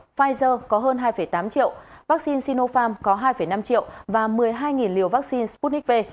pfizer có hơn hai tám triệu vaccine sinopharm có hai năm triệu và một mươi hai liều vaccine sputnik v